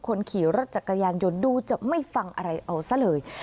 คนขี่รถจักรยานยนต์ดูจะไม่ฟังอะไรเอาซะเลย